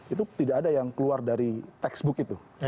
itu tidak ada yang keluar dari textbook itu